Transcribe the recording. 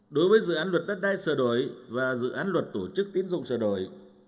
đối với dự án luật đất đai sửa đổi và dự án luật tổ chức tiến dụng sửa đổi